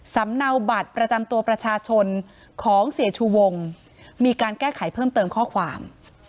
เนาบัตรประจำตัวประชาชนของเสียชูวงมีการแก้ไขเพิ่มเติมข้อความ